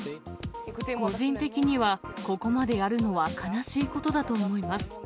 個人的にはここまでやるのは悲しいことだと思います。